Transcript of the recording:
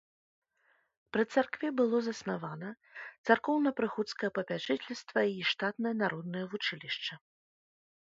Пры царкве было заснавана царкоўна-прыходскае папячыцельства і штатнае народнае вучылішча.